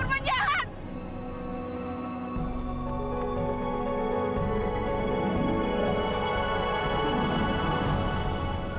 apa kabar bu